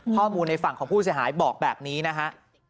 ข้อมูลในฝั่งของผู้เสียหายบอกแบบนี้นะฮะ